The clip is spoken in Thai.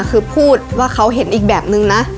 คือพูดว่าเขาเห็นอีกแบบนึงนะ